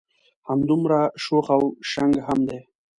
همدمره شوخ او شنګ هم دی.